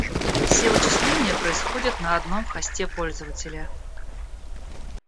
Все вычисления происходят на одном хосте пользователя